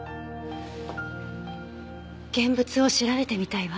現物を調べてみたいわ。